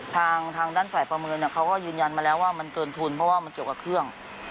ทางด้านฝ่ายประเมินเขาก็ยืนยันมาแล้วว่ามันเกินทุนเพราะว่ามันเกี่ยวกับเครื่อง